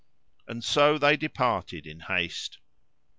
And so they departed in haste.